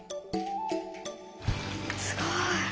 すごい！